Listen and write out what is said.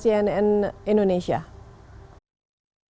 terima kasih pak atas waktunya bersama cnnn